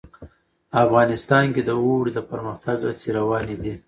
افغانستان کې د اوړي د پرمختګ هڅې روانې دي.